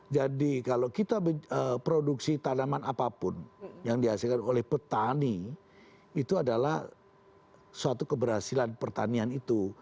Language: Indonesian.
jadi kalau kita produksi tanaman apapun yang dihasilkan oleh petani itu adalah suatu keberhasilan pertanian itu